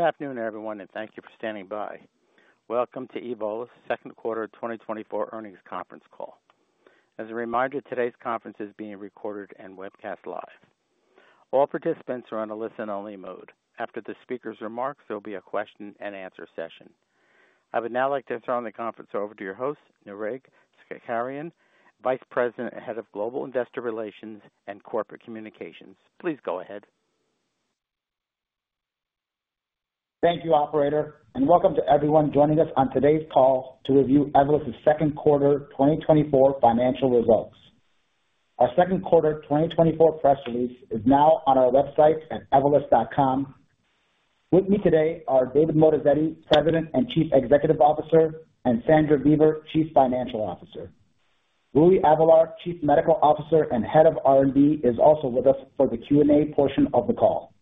Good afternoon, everyone, and thank you for standing by. Welcome to Evolus' Q2 2024 earnings conference call. As a reminder, today's conference is being recorded and webcast live. All participants are on a listen-only mode. After the speaker's remarks, there will be a question-and-answer session. I would now like to turn the conference over to your host, Nareg Sagherian, Vice President and Head of Global Investor Relations and Corporate Communications. Please go ahead. Thank you, Operator, and welcome to everyone joining us on today's call to review Evolus' Q2 2024 financial results. Our Q2 2024 press release is now on our website at evolus.com. With me today are David Moatazedi, President and Chief Executive Officer, and Sandra Beaver, Chief Financial Officer. Rui Avelar, Chief Medical Officer and Head of R&D, is also with us for the Q&A portion of the call.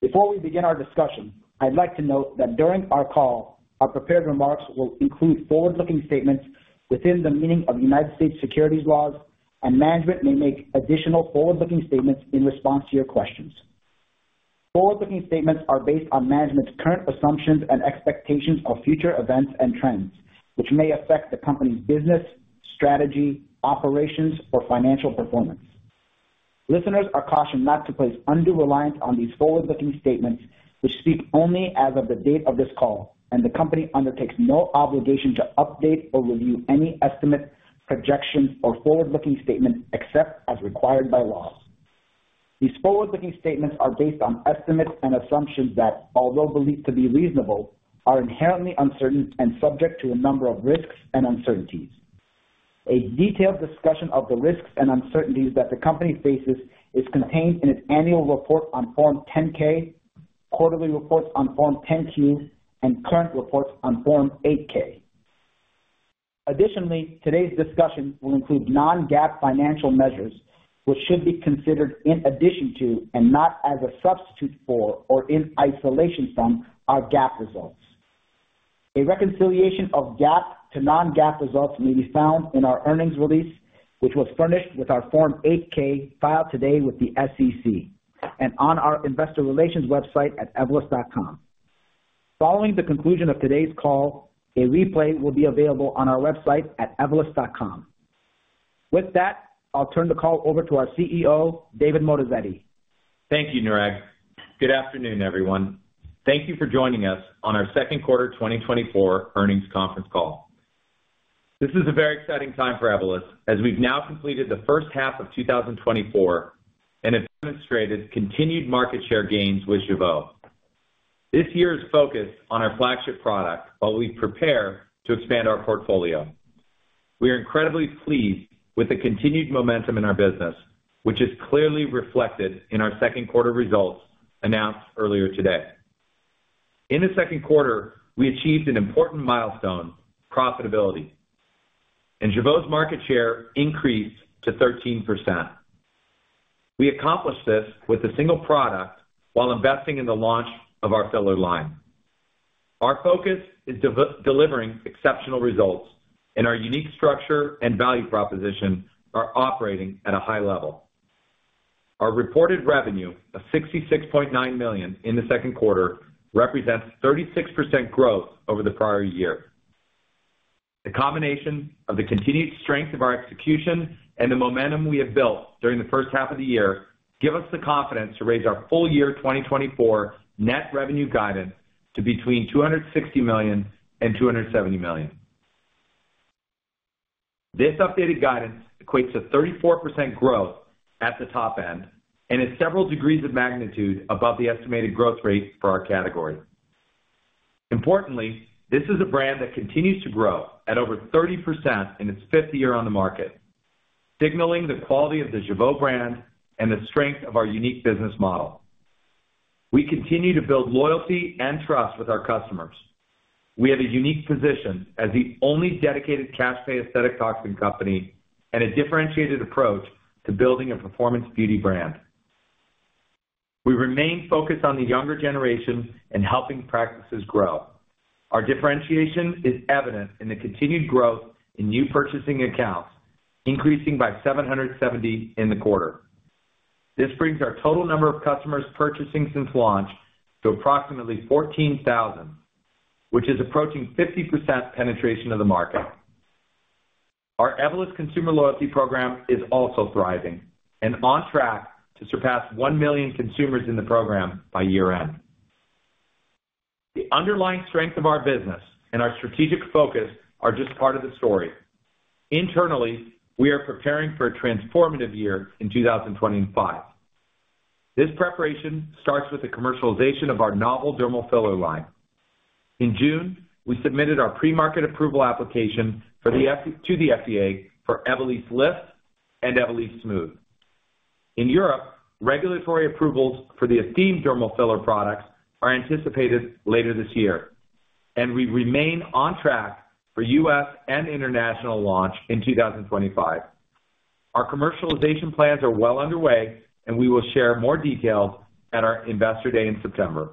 Before we begin our discussion, I'd like to note that during our call, our prepared remarks will include forward-looking statements within the meaning of United States securities laws, and management may make additional forward-looking statements in response to your questions. Forward-looking statements are based on management's current assumptions and expectations of future events and trends, which may affect the company's business, strategy, operations, or financial performance. Listeners are cautioned not to place undue reliance on these forward-looking statements, which speak only as of the date of this call, and the company undertakes no obligation to update or review any estimate, projection, or forward-looking statement except as required by law. These forward-looking statements are based on estimates and assumptions that, although believed to be reasonable, are inherently uncertain and subject to a number of risks and uncertainties. A detailed discussion of the risks and uncertainties that the company faces is contained in its annual report on Form 10-K, quarterly reports on Form 10-Q, and current reports on Form 8-K. Additionally, today's discussion will include non-GAAP financial measures, which should be considered in addition to, and not as a substitute for, or in isolation from, our GAAP results. A reconciliation of GAAP to non-GAAP results may be found in our earnings release, which was furnished with our Form 8-K filed today with the SEC and on our investor relations website at evolus.com. Following the conclusion of today's call, a replay will be available on our website at evolus.com. With that, I'll turn the call over to our CEO, David Moatazedi. Thank you, Nareg. Good afternoon, everyone. Thank you for joining us on our Q2 2024 earnings conference call. This is a very exciting time for Evolus, as we've now completed the first half of 2024 and have demonstrated continued market share gains with Jeuveau. This year is focused on our flagship product while we prepare to expand our portfolio. We are incredibly pleased with the continued momentum in our business, which is clearly reflected in our Q2 results announced earlier today. In the Q2, we achieved an important milestone: profitability, and Jeuveau's market share increased to 13%. We accomplished this with a single product while investing in the launch of our filler line. Our focus is delivering exceptional results, and our unique structure and value proposition are operating at a high level. Our reported revenue of $66.9 million in the Q2 represents 36% growth over the prior year. The combination of the continued strength of our execution and the momentum we have built during the first half of the year gives us the confidence to raise our full year 2024 net revenue guidance to between $260 million-$270 million. This updated guidance equates to 34% growth at the top end and is several degrees of magnitude above the estimated growth rate for our category. Importantly, this is a brand that continues to grow at over 30% in its fifth year on the market, signaling the quality of the Jeuveau brand and the strength of our unique business model. We continue to build loyalty and trust with our customers. We have a unique position as the only dedicated cash-pay aesthetic toxin company and a differentiated approach to building a performance beauty brand. We remain focused on the younger generation and helping practices grow. Our differentiation is evident in the continued growth in new purchasing accounts, increasing by 770 in the quarter. This brings our total number of customers purchasing since launch to approximately 14,000, which is approaching 50% penetration of the market. Our Evolus consumer loyalty program is also thriving and on track to surpass 1 million consumers in the program by year-end. The underlying strength of our business and our strategic focus are just part of the story. Internally, we are preparing for a transformative year in 2025. This preparation starts with the commercialization of our novel dermal filler line. In June, we submitted our pre-market approval application to the FDA for Evolysse Lift and Evolysse Smooth. In Europe, regulatory approvals for the Estème dermal filler products are anticipated later this year, and we remain on track for U.S. and international launch in 2025. Our commercialization plans are well underway, and we will share more details at our investor day in September.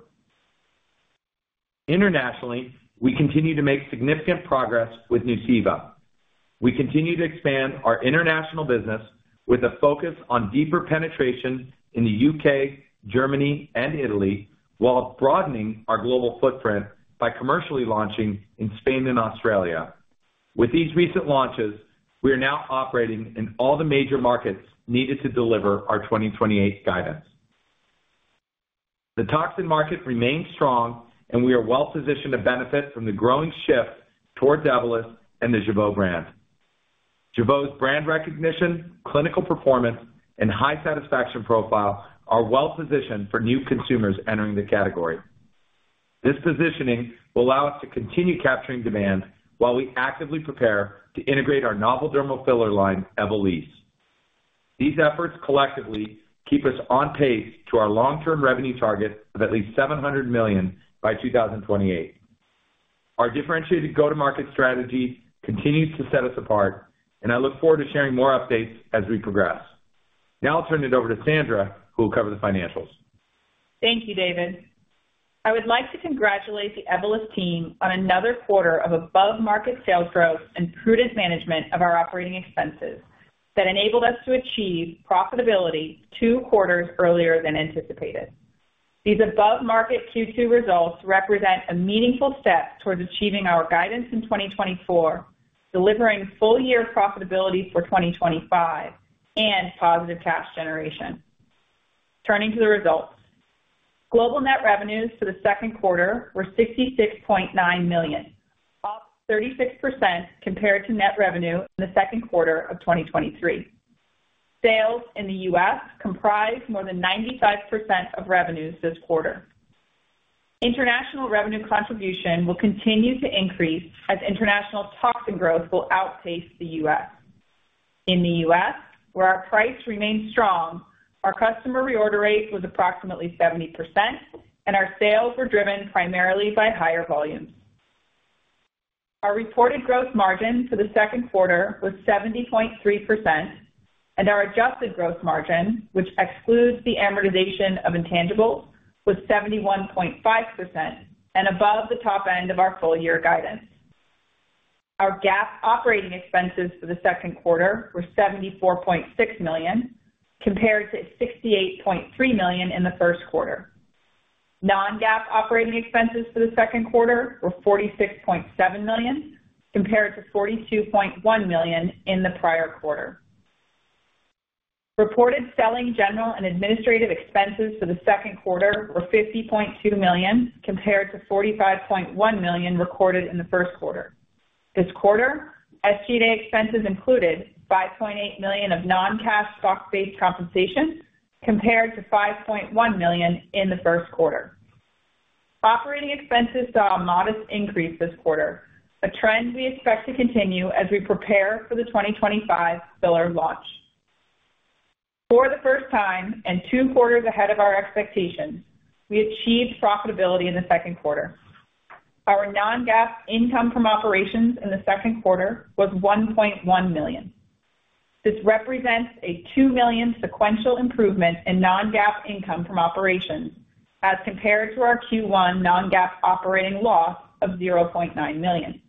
Internationally, we continue to make significant progress with Nuceiva. We continue to expand our international business with a focus on deeper penetration in the U.K., Germany, and Italy, while broadening our global footprint by commercially launching in Spain and Australia. With these recent launches, we are now operating in all the major markets needed to deliver our 2028 guidance. The toxin market remains strong, and we are well positioned to benefit from the growing shift towards Evolus and the Jeuveau brand. Jeuveau's brand recognition, clinical performance, and high satisfaction profile are well positioned for new consumers entering the category. This positioning will allow us to continue capturing demand while we actively prepare to integrate our novel dermal filler line, Evolysse. These efforts collectively keep us on pace to our long-term revenue target of at least $700 million by 2028. Our differentiated go-to-market strategy continues to set us apart, and I look forward to sharing more updates as we progress. Now I'll turn it over to Sandra, who will cover the financials. Thank you, David. I would like to congratulate the Evolus team on another quarter of above-market sales growth and prudent management of our operating expenses that enabled us to achieve profitability two quarters earlier than anticipated. These above-market Q2 results represent a meaningful step towards achieving our guidance in 2024, delivering full-year profitability for 2025, and positive cash generation. Turning to the results, global net revenues for the Q2 were $66.9 million, up 36% compared to net revenue in the Q2 of 2023. Sales in the U.S. comprised more than 95% of revenues this quarter. International revenue contribution will continue to increase as international toxin growth will outpace the U.S. In the U.S., where our price remained strong, our customer reorder rate was approximately 70%, and our sales were driven primarily by higher volumes. Our reported gross margin for the Q2 was 70.3%, and our adjusted gross margin, which excludes the amortization of intangibles, was 71.5% and above the top end of our full-year guidance. Our GAAP operating expenses for the Q2 were $74.6 million, compared to $68.3 million in the Q1. Non-GAAP operating expenses for the Q2 were $46.7 million, compared to $42.1 million in the prior quarter. Reported selling general and administrative expenses for the Q2 were $50.2 million, compared to $45.1 million recorded in the Q1. This quarter, SG&A expenses included $5.8 million of non-cash stock-based compensation, compared to $5.1 million in the Q1. Operating expenses saw a modest increase this quarter, a trend we expect to continue as we prepare for the 2025 filler launch. For the first time and two quarters ahead of our expectations, we achieved profitability in the Q2. Our Non-GAAP income from operations in the Q2 was $1.1 million. This represents a $2 million sequential improvement in Non-GAAP income from operations as compared to our Q1 Non-GAAP operating loss of $0.9 million,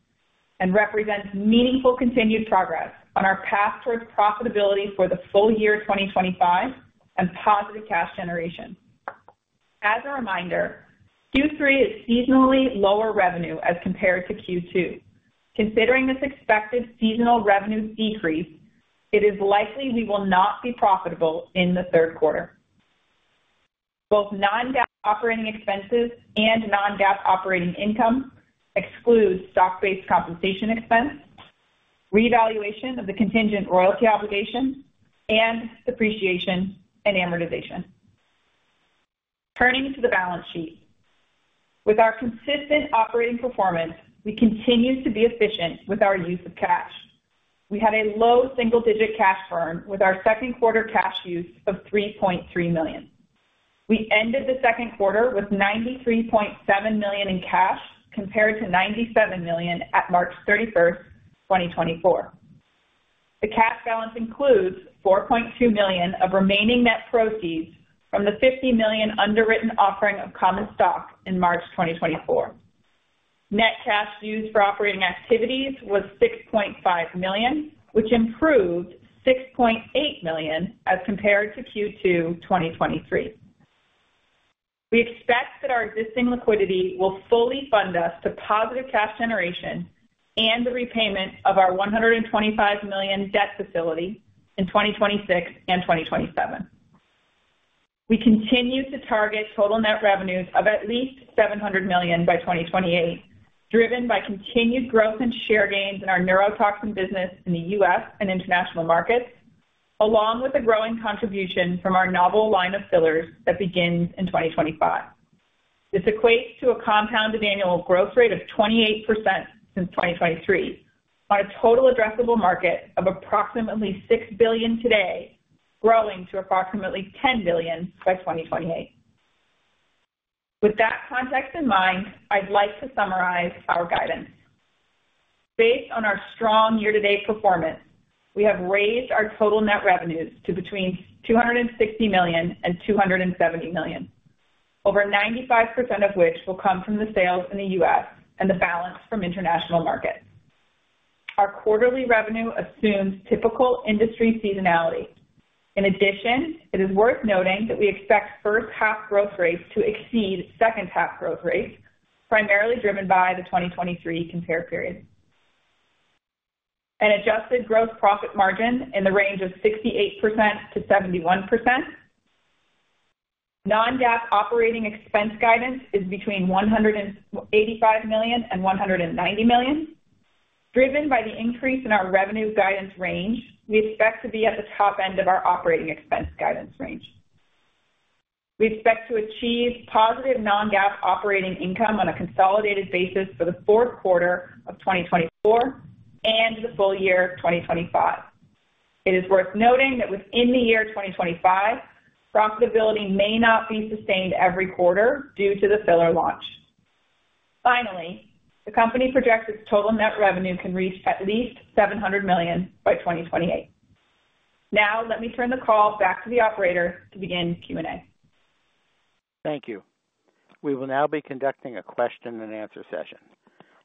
and represents meaningful continued progress on our path towards profitability for the full year 2025 and positive cash generation. As a reminder, Q3 is seasonally lower revenue as compared to Q2. Considering this expected seasonal revenue decrease, it is likely we will not be profitable in the Q3. Both Non-GAAP operating expenses and Non-GAAP operating income exclude stock-based compensation expense, reevaluation of the contingent royalty obligation, and depreciation and amortization. Turning to the balance sheet, with our consistent operating performance, we continue to be efficient with our use of cash. We had a low single-digit cash burn with our Q2 cash use of $3.3 million. We ended the Q2 with $93.7 million in cash compared to $97 million at March 31, 2024. The cash balance includes $4.2 million of remaining net proceeds from the $50 million underwritten offering of common stock in March 2024. Net cash used for operating activities was $6.5 million, which improved $6.8 million as compared to Q2 2023. We expect that our existing liquidity will fully fund us to positive cash generation and the repayment of our $125 million debt facility in 2026 and 2027. We continue to target total net revenues of at least $700 million by 2028, driven by continued growth in share gains in our neurotoxin business in the U.S. and international markets, along with the growing contribution from our novel line of fillers that begins in 2025. This equates to a compounded annual growth rate of 28% since 2023, on a total addressable market of approximately $6 billion today, growing to approximately $10 billion by 2028. With that context in mind, I'd like to summarize our guidance. Based on our strong year-to-date performance, we have raised our total net revenues to between $260 million and $270 million, over 95% of which will come from the sales in the U.S. and the balance from international markets. Our quarterly revenue assumes typical industry seasonality. In addition, it is worth noting that we expect first-half growth rates to exceed second-half growth rates, primarily driven by the 2023 compare period. An adjusted gross profit margin in the range of 68%-71%. Non-GAAP operating expense guidance is between $185 million and $190 million. Driven by the increase in our revenue guidance range, we expect to be at the top end of our operating expense guidance range. We expect to achieve positive non-GAAP operating income on a consolidated basis for the Q4 of 2024 and the full year 2025. It is worth noting that within the year 2025, profitability may not be sustained every quarter due to the filler launch. Finally, the company projects its total net revenue can reach at least $700 million by 2028. Now, let me turn the call back to the operator to begin Q&A. Thank you. We will now be conducting a question-and-answer session.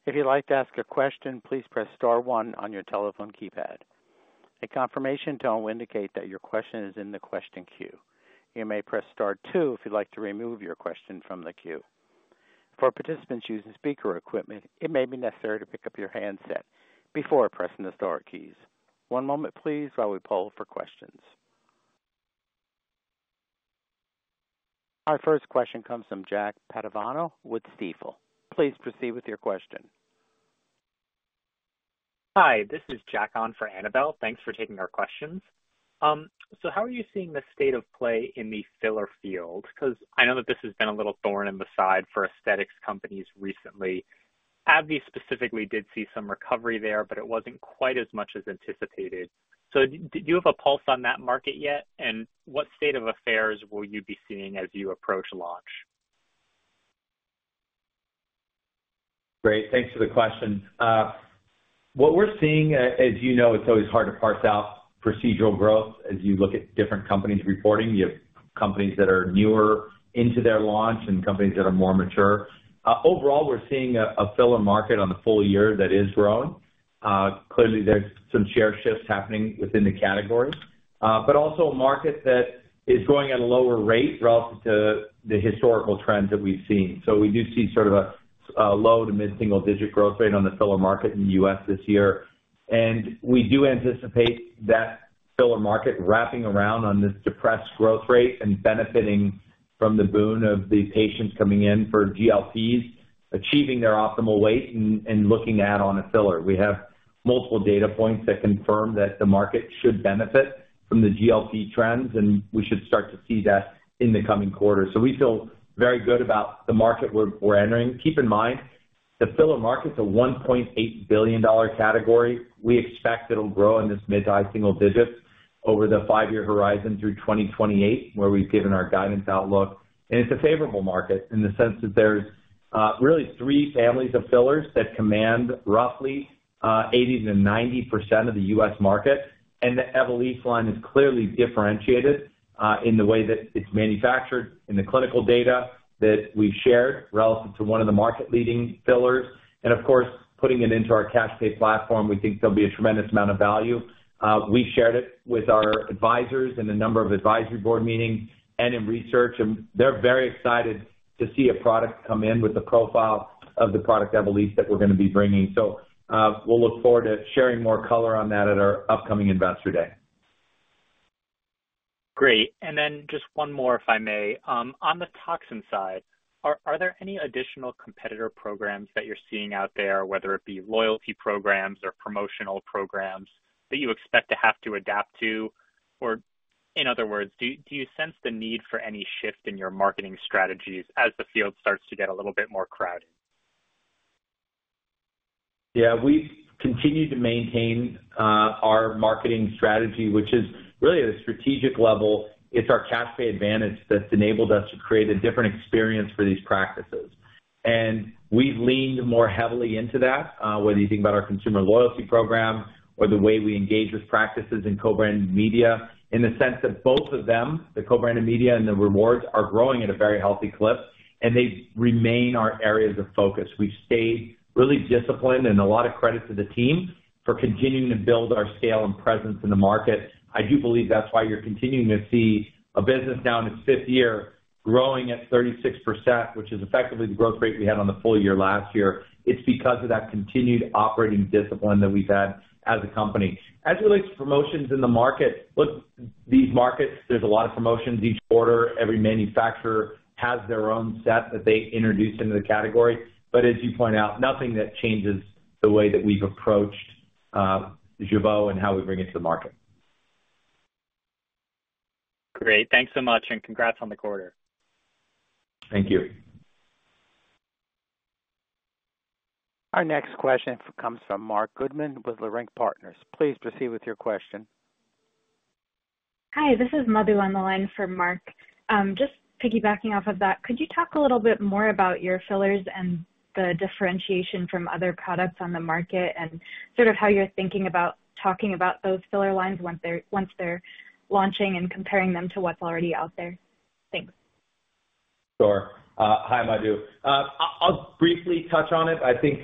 If you'd like to ask a question, please press Star 1 on your telephone keypad. A confirmation tone will indicate that your question is in the question queue. You may press Star 2 if you'd like to remove your question from the queue. For participants using speaker equipment, it may be necessary to pick up your handset before pressing the Star keys. One moment, please, while we poll for questions. Our first question comes from Jack Padovano, with Stifel. Please proceed with your question. Hi, this is Jack on for Annabel. Thanks for taking our questions. So how are you seeing the state of play in the filler field? Because I know that this has been a little thorn in the side for aesthetics companies recently. AbbVie specifically did see some recovery there, but it wasn't quite as much as anticipated. So do you have a pulse on that market yet? And what state of affairs will you be seeing as you approach launch? Great. Thanks for the question. What we're seeing, as you know, it's always hard to parse out procedural growth as you look at different companies reporting. You have companies that are newer into their launch and companies that are more mature. Overall, we're seeing a filler market on the full year that is growing. Clearly, there's some share shifts happening within the category, but also a market that is growing at a lower rate relative to the historical trends that we've seen. So we do see sort of a low to mid-single-digit growth rate on the filler market in the U.S. this year. And we do anticipate that filler market wrapping around on this depressed growth rate and benefiting from the boon of the patients coming in for GLPs, achieving their optimal weight and looking at on a filler. We have multiple data points that confirm that the market should benefit from the GLP trends, and we should start to see that in the coming quarter. So we feel very good about the market we're entering. Keep in mind, the filler market's a $1.8 billion category. We expect it'll grow in this mid- to high single digits over the five-year horizon through 2028, where we've given our guidance outlook. And it's a favorable market in the sense that there's really three families of fillers that command roughly 80%-90% of the U.S. market. And the Evolus line is clearly differentiated in the way that it's manufactured, in the clinical data that we've shared relative to one of the market-leading fillers. And of course, putting it into our cash-pay platform, we think there'll be a tremendous amount of value. We shared it with our advisors in a number of advisory board meetings and in research. They're very excited to see a product come in with the profile of the product Evolus that we're going to be bringing. We'll look forward to sharing more color on that at our upcoming investor day. Great. And then just one more, if I may. On the toxin side, are there any additional competitor programs that you're seeing out there, whether it be loyalty programs or promotional programs, that you expect to have to adapt to? Or in other words, do you sense the need for any shift in your marketing strategies as the field starts to get a little bit more crowded? Yeah. We've continued to maintain our marketing strategy, which is really at a strategic level. It's our cash-pay advantage that's enabled us to create a different experience for these practices. And we've leaned more heavily into that, whether you think about our consumer loyalty program or the way we engage with practices in co-branded media, in the sense that both of them, the co-branded media and the rewards, are growing at a very healthy clip, and they remain our areas of focus. We've stayed really disciplined, and a lot of credit to the team for continuing to build our scale and presence in the market. I do believe that's why you're continuing to see a business now in its fifth year growing at 36%, which is effectively the growth rate we had on the full year last year. It's because of that continued operating discipline that we've had as a company. As it relates to promotions in the market, look, these markets, there's a lot of promotions each quarter. Every manufacturer has their own set that they introduce into the category. But as you point out, nothing that changes the way that we've approached Jeuveau and how we bring it to the market. Great. Thanks so much, and congrats on the quarter. Thank you. Our next question comes from Marc Goodman with Leerink Partners. Please proceed with your question. Hi, this is Nabila on the line for Mark. Just piggybacking off of that, could you talk a little bit more about your fillers and the differentiation from other products on the market and sort of how you're thinking about talking about those filler lines once they're launching and comparing them to what's already out there? Thanks. Sure. Hi, Mabilla. I'll briefly touch on it. I think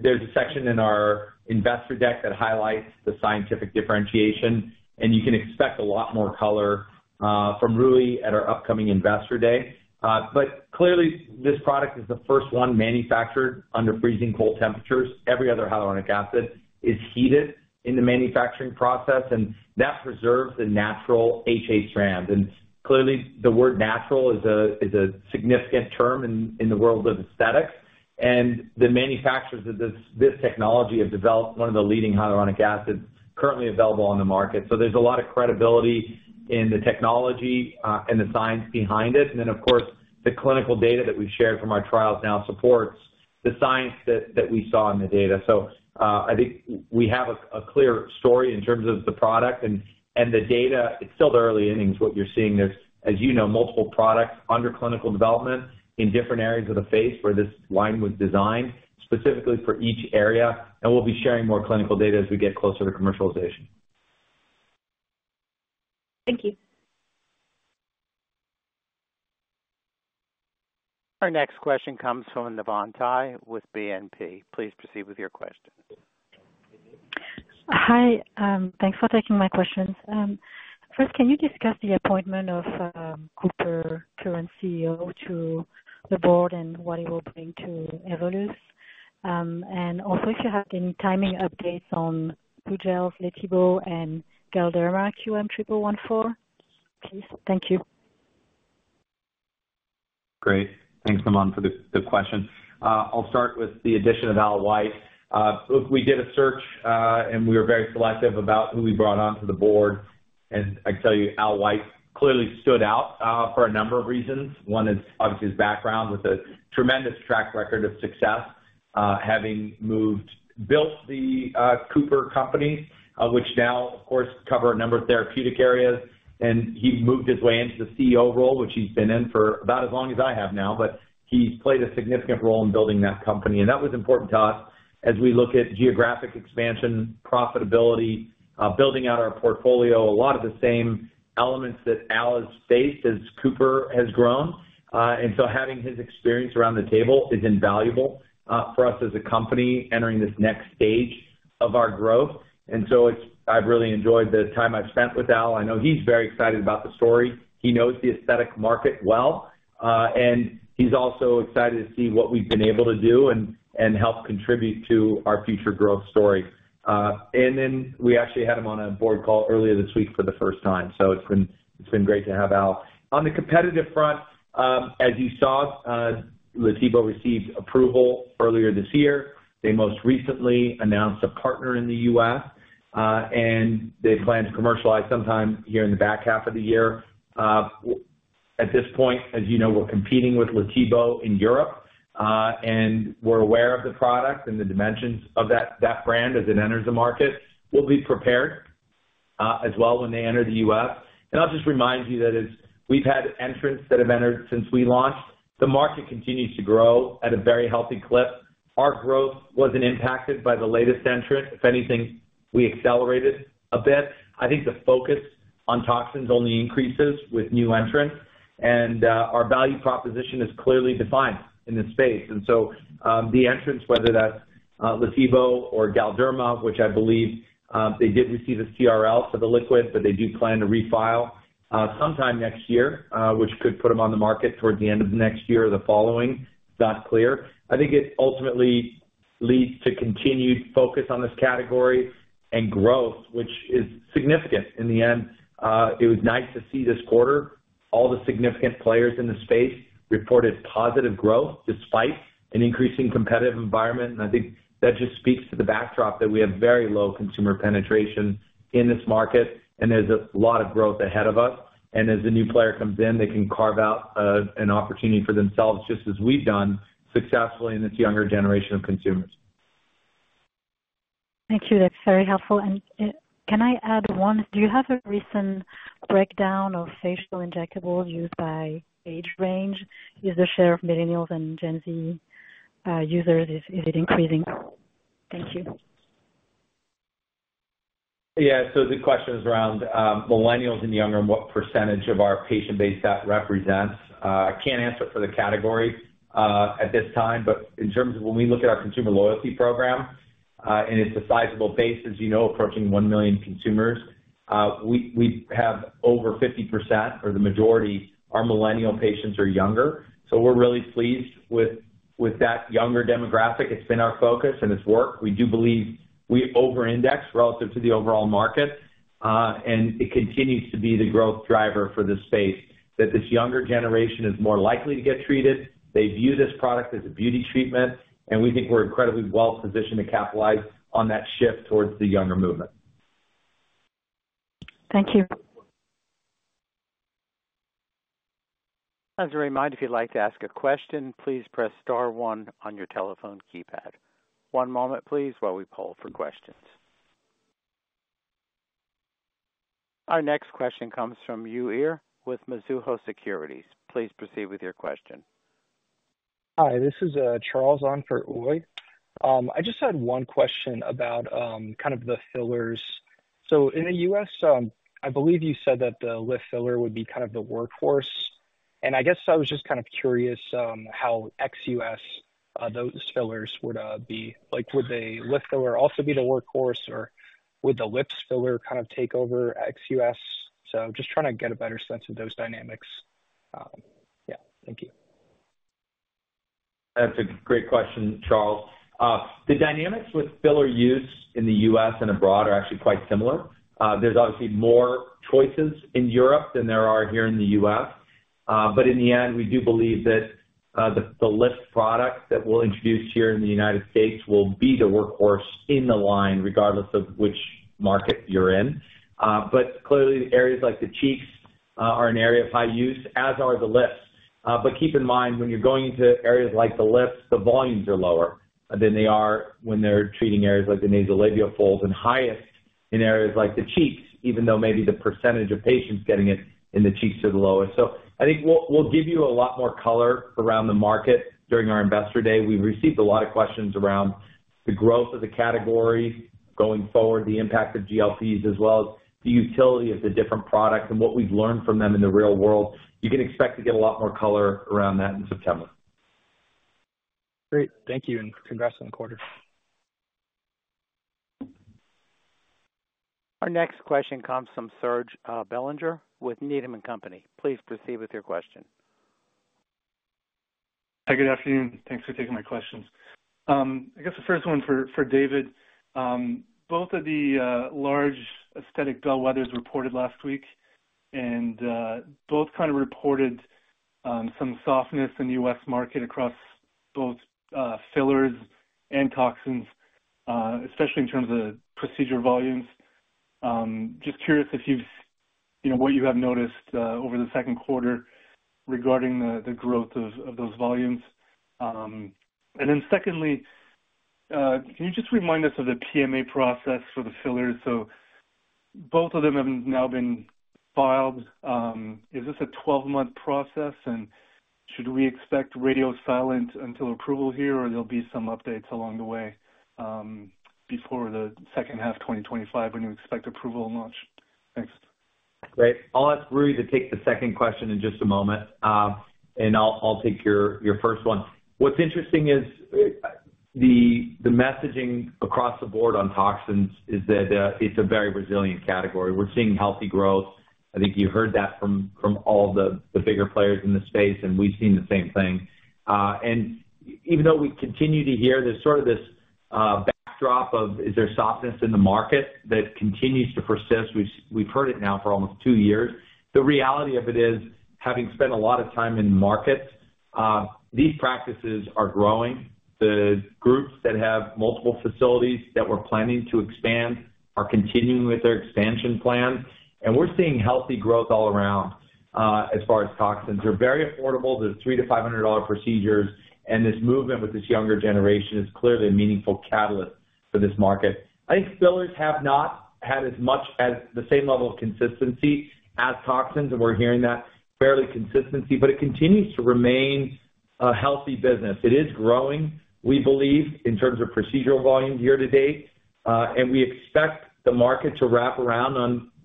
there's a section in our investor deck that highlights the scientific differentiation, and you can expect a lot more color from Rui at our upcoming investor day. But clearly, this product is the first one manufactured under freezing cold temperatures. Every other hyaluronic acid is heated in the manufacturing process, and that preserves the natural HA strand. And clearly, the word natural is a significant term in the world of aesthetics. And the manufacturers of this technology have developed one of the leading hyaluronic acids currently available on the market. So there's a lot of credibility in the technology and the science behind it. And then, of course, the clinical data that we've shared from our trials now supports the science that we saw in the data. I think we have a clear story in terms of the product and the data. It's still the early innings, what you're seeing. There's, as you know, multiple products under clinical development in different areas of the face where this line was designed specifically for each area. We'll be sharing more clinical data as we get closer to commercialization. Thank you. Our next question comes from Navann Ty with BNP. Please proceed with your question. Hi. Thanks for taking my questions. First, can you discuss the appointment of Cooper Companies' current CEO to the board and what it will bring to Evolus? And also, if you have any timing updates on Hugel, Letybo, and Galderma QM1114, please. Thank you. Great. Thanks, Navann, for the question. I'll start with the addition of Al White. Look, we did a search, and we were very selective about who we brought onto the board. I can tell you Al White clearly stood out for a number of reasons. One is obviously his background with a tremendous track record of success, having built the Cooper Companies, which now, of course, covers a number of therapeutic areas. He moved his way into the CEO role, which he's been in for about as long as I have now, but he's played a significant role in building that company. That was important to us as we look at geographic expansion, profitability, building out our portfolio, a lot of the same elements that Al has faced as Cooper has grown. Having his experience around the table is invaluable for us as a company entering this next stage of our growth. I've really enjoyed the time I've spent with Al. I know he's very excited about the story. He knows the aesthetic market well. He's also excited to see what we've been able to do and help contribute to our future growth story. We actually had him on a board call earlier this week for the first time. It's been great to have Al. On the competitive front, as you saw, Letybo received approval earlier this year. They most recently announced a partner in the U.S., and they plan to commercialize sometime here in the back half of the year. At this point, as you know, we're competing with Letybo in Europe, and we're aware of the product and the dimensions of that brand as it enters the market. We'll be prepared as well when they enter the U.S. I'll just remind you that we've had entrants that have entered since we launched. The market continues to grow at a very healthy clip. Our growth wasn't impacted by the latest entrant. If anything, we accelerated a bit. I think the focus on toxins only increases with new entrants. Our value proposition is clearly defined in this space. So the entrants, whether that's Letybo or Galderma, which I believe they did receive a CRL for the liquid, but they do plan to refile sometime next year, which could put them on the market towards the end of the next year or the following. It's not clear. I think it ultimately leads to continued focus on this category and growth, which is significant in the end. It was nice to see this quarter. All the significant players in the space reported positive growth despite an increasing competitive environment. I think that just speaks to the backdrop that we have very low consumer penetration in this market, and there's a lot of growth ahead of us. As a new player comes in, they can carve out an opportunity for themselves, just as we've done successfully in this younger generation of consumers. Thank you. That's very helpful. Can I add one? Do you have a recent breakdown of facial injectables used by age range? Is the share of millennials and Gen Z users, is it increasing? Thank you. Yeah. So the question is around millennials and younger, and what percentage of our patient base that represents. I can't answer for the category at this time, but in terms of when we look at our consumer loyalty program, and it's a sizable base, as you know, approaching 1 million consumers, we have over 50%, or the majority, are millennial patients or younger. So we're really pleased with that younger demographic. It's been our focus, and it's worked. We do believe we over-index relative to the overall market, and it continues to be the growth driver for this space, that this younger generation is more likely to get treated. They view this product as a beauty treatment, and we think we're incredibly well-positioned to capitalize on that shift towards the younger movement. Thank you. As a reminder, if you'd like to ask a question, please press star one on your telephone keypad. One moment, please, while we poll for questions. Our next question comes from Uy Ear with Mizuho Securities. Please proceed with your question. Hi. This is Charles on for Uy. I just had one question about kind of the fillers. So in the U.S., I believe you said that the lip filler would be kind of the workhorse. And I guess I was just kind of curious how ex-U.S. those fillers would be. Would the lip filler also be the workhorse, or would the lips filler kind of take over ex-U.S.? So just trying to get a better sense of those dynamics. Yeah. Thank you. That's a great question, Charles. The dynamics with filler use in the U.S. and abroad are actually quite similar. There's obviously more choices in Europe than there are here in the U.S. But in the end, we do believe that the lips product that we'll introduce here in the United States will be the workhorse in the line, regardless of which market you're in. But clearly, areas like the cheeks are an area of high use, as are the lips. But keep in mind, when you're going into areas like the lips, the volumes are lower than they are when they're treating areas like the nasolabial folds and highest in areas like the cheeks, even though maybe the percentage of patients getting it in the cheeks are the lowest. So I think we'll give you a lot more color around the market during our investor day. We've received a lot of questions around the growth of the category going forward, the impact of GLPs, as well as the utility of the different products and what we've learned from them in the real world. You can expect to get a lot more color around that in September. Great. Thank you. Congrats on the quarter. Our next question comes from Serge Belanger with Needham & Company. Please proceed with your question. Hi, good afternoon. Thanks for taking my questions. I guess the first one for David. Both of the large aesthetic bellwethers reported last week, and both kind of reported some softness in the U.S. market across both fillers and toxins, especially in terms of procedure volumes. Just curious what you have noticed over the Q2 regarding the growth of those volumes. And then secondly, can you just remind us of the PMA process for the fillers? So both of them have now been filed. Is this a 12-month process, and should we expect radio silent until approval here, or there'll be some updates along the way before the second half of 2025 when you expect approval and launch? Thanks. Great. I'll ask Rui to take the second question in just a moment, and I'll take your first one. What's interesting is the messaging across the board on toxins is that it's a very resilient category. We're seeing healthy growth. I think you heard that from all the bigger players in the space, and we've seen the same thing. Even though we continue to hear there's sort of this backdrop of, "Is there softness in the market?" that continues to persist. We've heard it now for almost two years. The reality of it is, having spent a lot of time in markets, these practices are growing. The groups that have multiple facilities that we're planning to expand are continuing with their expansion plan. We're seeing healthy growth all around as far as toxins. They're very affordable. They're $300-$500 procedures. This movement with this younger generation is clearly a meaningful catalyst for this market. I think fillers have not had as much as the same level of consistency as toxins, and we're hearing that fairly consistently, but it continues to remain a healthy business. It is growing, we believe, in terms of procedural volume year to date. We expect the market to wrap around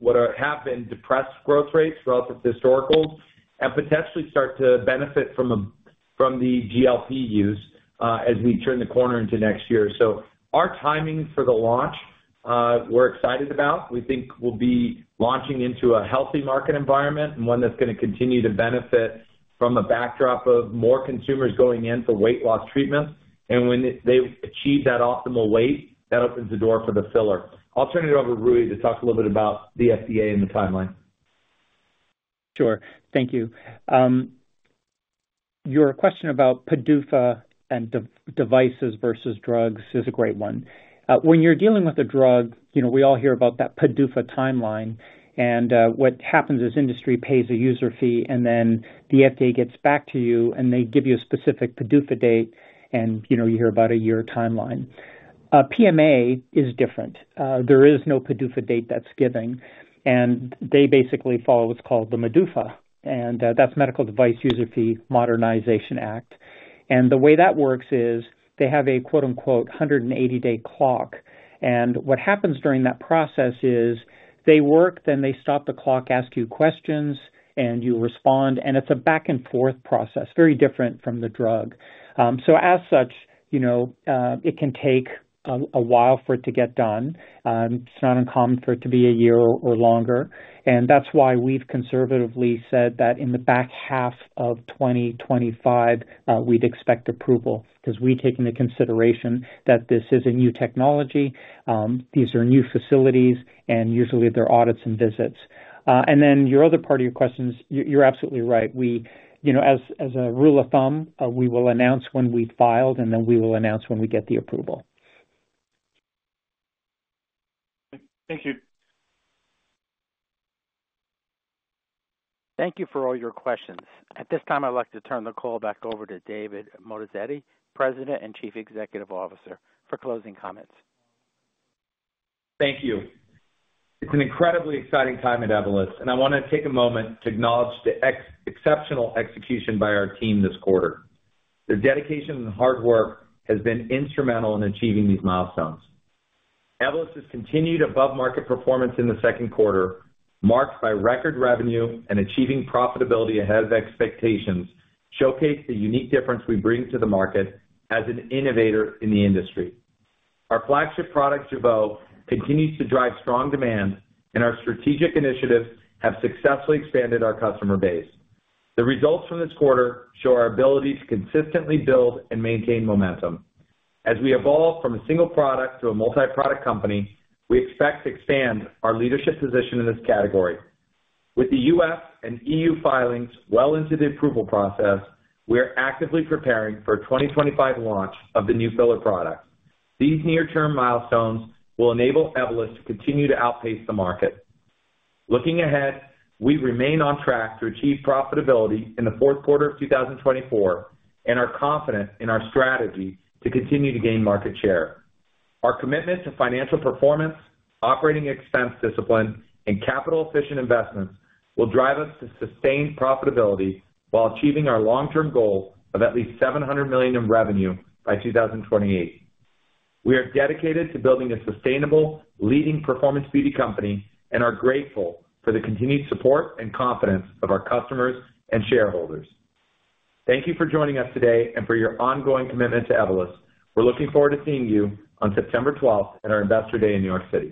on what have been depressed growth rates relative to historicals and potentially start to benefit from the GLP use as we turn the corner into next year. So our timing for the launch we're excited about. We think we'll be launching into a healthy market environment and one that's going to continue to benefit from a backdrop of more consumers going in for weight loss treatments. When they achieve that optimal weight, that opens the door for the filler. I'll turn it over to Rui to talk a little bit about the FDA and the timeline. Sure. Thank you. Your question about PDUFA and devices versus drugs is a great one. When you're dealing with a drug, we all hear about that PDUFA timeline. And what happens is industry pays a user fee, and then the FDA gets back to you, and they give you a specific PDUFA date, and you hear about a year timeline. PMA is different. There is no PDUFA date that's given. And they basically follow what's called the MDUFA, and that's Medical Device User Fee Modernization Act. And the way that works is they have a "180-day clock." And what happens during that process is they work, then they stop the clock, ask you questions, and you respond. And it's a back-and-forth process, very different from the drug. So as such, it can take a while for it to get done. It's not uncommon for it to be a year or longer. That's why we've conservatively said that in the back half of 2025, we'd expect approval because we take into consideration that this is a new technology. These are new facilities, and usually there are audits and visits. Then your other part of your questions, you're absolutely right. As a rule of thumb, we will announce when we filed, and then we will announce when we get the approval. Thank you. Thank you for all your questions. At this time, I'd like to turn the call back over to David Moatazedi, President and Chief Executive Officer, for closing comments. Thank you. It's an incredibly exciting time at Evolus, and I want to take a moment to acknowledge the exceptional execution by our team this quarter. The dedication and hard work has been instrumental in achieving these milestones. Evolus's continued above-market performance in the Q2, marked by record revenue and achieving profitability ahead of expectations, showcase the unique difference we bring to the market as an innovator in the industry. Our flagship product, Jeuveau, continues to drive strong demand, and our strategic initiatives have successfully expanded our customer base. The results from this quarter show our ability to consistently build and maintain momentum. As we evolve from a single product to a multi-product company, we expect to expand our leadership position in this category. With the U.S. and E.U. filings well into the approval process, we are actively preparing for 2025 launch of the new filler product. These near-term milestones will enable Evolus to continue to outpace the market. Looking ahead, we remain on track to achieve profitability in the Q4 of 2024 and are confident in our strategy to continue to gain market share. Our commitment to financial performance, operating expense discipline, and capital-efficient investments will drive us to sustained profitability while achieving our long-term goal of at least $700 million in revenue by 2028. We are dedicated to building a sustainable, leading performance beauty company and are grateful for the continued support and confidence of our customers and shareholders. Thank you for joining us today and for your ongoing commitment to Evolus. We're looking forward to seeing you on September 12th at our investor day in New York City.